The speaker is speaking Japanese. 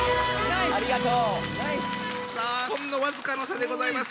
さあほんの僅かの差でございます。